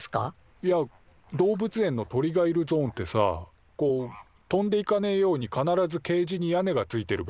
いや動物園の鳥がいるゾーンってさこう飛んでいかねえように必ずケージに屋根がついてるべ？